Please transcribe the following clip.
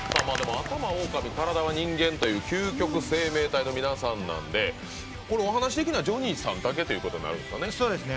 頭がオオカミ体が人間という究極生命体の皆さんなんでお話ができるのはジョニーさんだけということなるんですかね。